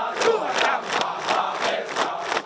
dan semuanya maha besa